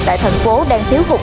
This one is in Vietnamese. tại thành phố đang thiếu hụt